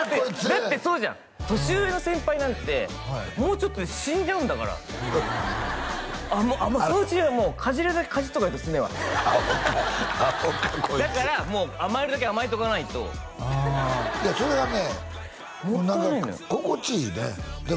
だってそうじゃん年上の先輩なんてもうちょっとで死んじゃうんだからかじれるだけかじっとかないとすねはアホかアホかこいつだからもう甘えるだけ甘えとかないとああそれがねもう何か心地いいねもったいないのよ